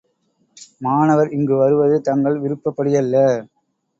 மாணவர் இங்கு வருவது தங்கள் விருப்பப்படியல்ல.